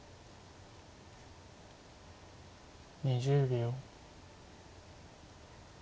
２０秒。